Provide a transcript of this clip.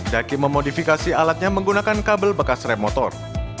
daki memodifikasi alatnya menggunakan kabel bekas rem motor